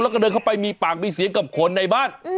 แล้วก็เดินเข้าไปมีปากมีเสียงกับคนในบ้าน